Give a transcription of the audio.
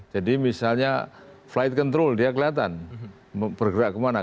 misalnya flight control dia kelihatan bergerak kemana